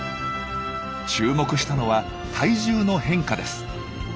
注目したのは体重の変化です。